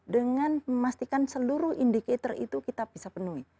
dengan memastikan seluruh indikator itu kita bisa penuhi